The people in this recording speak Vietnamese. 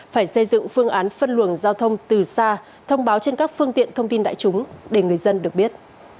phải xây dựng phương án phân luồng giao thông từ xa thông báo trên các phương tiện thông tin đại chúng để người dân được biết